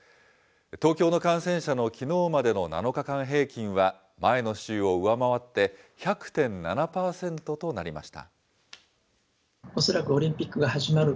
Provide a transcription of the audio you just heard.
東京の感染者のきのうまでの７日間平均は、前の週を上回って、１００．７％となりました。